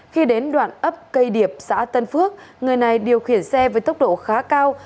khi đến đoạn ấp cây điệp xã tân phước người này điều khiển xe với tốc độ khá cao